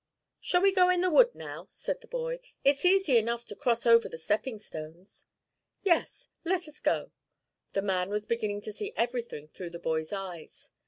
'Shall we go in the wood now?' said the boy. 'It's easy enough to cross over the stepping stones.' 'Yes, let us go.' The man was beginning to see everything through the boy's eyes.